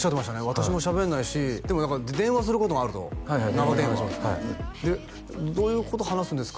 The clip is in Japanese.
「私もしゃべんないし」でも何か電話することもあると長電話でどういうこと話すんですか？